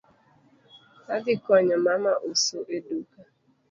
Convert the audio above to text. Adhi konyo mama uso e duka